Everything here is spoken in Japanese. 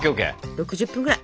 ６０分ぐらい。